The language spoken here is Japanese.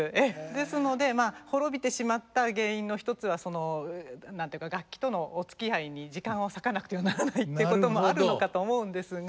ですので滅びてしまった原因の一つはその何て言うか楽器とのおつきあいに時間を割かなくてはならないってこともあるのかと思うんですが。